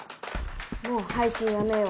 もう配信やめよう。